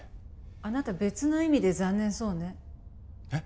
あなた別の意味で残念そうねえっ？